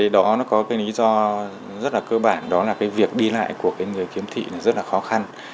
đó có lý do rất cơ bản đó là việc đi lại của người khiếm thị rất khó khăn